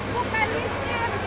bukan di setir